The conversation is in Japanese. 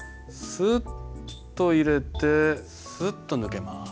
スッと入ってスッと抜けます。